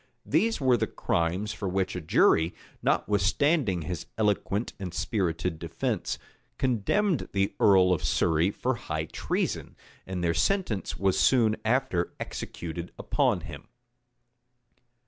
These were the crimes for which a jury, notwithstanding his eloquent and spirited defence, condemned the earl of Surrey for high treason; and their sentence was soon after executed upon him.